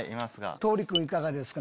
桃李君いかがですか？